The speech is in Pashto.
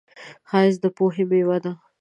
ښایست د پوهې میوه ده